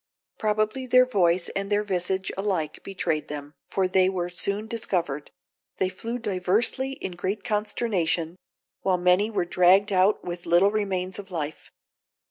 Probably their voice and their visage alike betrayed them, for they were soon discovered; they flew diversely in great consternation, while many were dragged out with little remains of life.